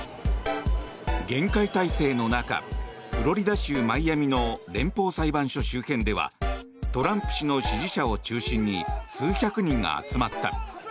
厳戒態勢の中フロリダ州マイアミの連邦裁判所周辺ではトランプ氏の支持者を中心に数百人が集まった。